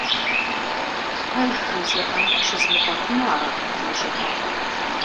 Пэж жызыӀэ щызмыгъуэтыну ара мы щӀыпӀэм?